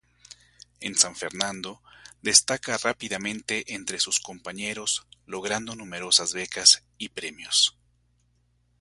En San Fernando destaca rápidamente entre sus compañeros, logrando numerosas becas y premios.